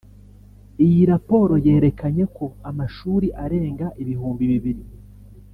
Iyi raporo yerekanye ko amashuri arenga ibihumbi bibiri